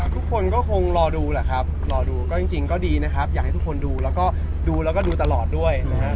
ทุกคนก็คงรอดูแหละครับรอดูก็จริงก็ดีนะครับอยากให้ทุกคนดูแล้วก็ดูแล้วก็ดูตลอดด้วยนะครับ